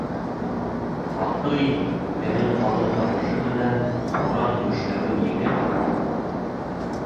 Баҡый үҙенең ҡалын тауышы менән буран гөжләүен еңеп: